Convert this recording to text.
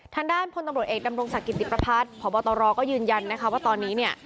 ทางด้านพลตำรวจเอกดำรงศักดิติประพัฒน์พบตรก็ยืนยันนะคะว่าตอนนี้เนี่ย